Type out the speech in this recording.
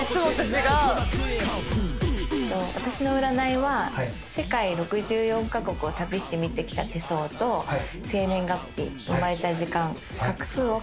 私の占いは世界６４カ国を旅して見てきた手相と生年月日生まれた時間画数を掛け合わせて見ています。